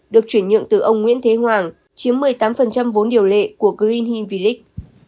được chuyển nhượng từ ông nguyễn thế hoàng chiếm một mươi tám vốn điều lệ của green hill village